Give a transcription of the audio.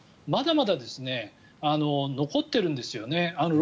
まだまだ残ってるんですよね。